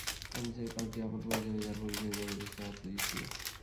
আমি চাই পাত্রী আপন পরিচয়েই যার পরিচয়, জগতে যে অদ্বিতীয়।